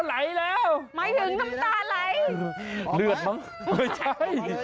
หมายถึงน้ำตาเลย